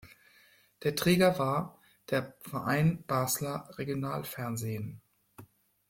Der Träger war der "Verein Basler Regionalfernsehen".